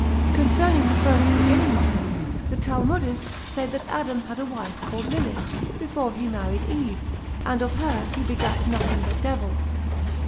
Concerning the first beginning of them, the Talmudists say that Adam had a wife called Lilis, before he married Eve, and of her he begat nothing but devils.